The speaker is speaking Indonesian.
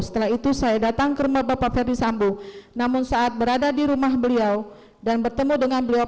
setelah itu saya datang ke rumah bapak ferdisambu namun saat berada di rumah beliau dan bertemu dengan beliau